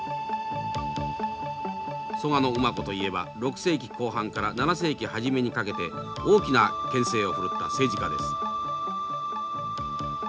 蘇我馬子といえば６世紀後半から７世紀初めにかけて大きな権勢を振るった政治家です。